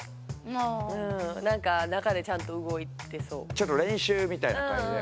ちょっと練習みたいな感じで。